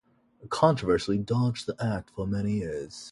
Controversy dogged the act for many years.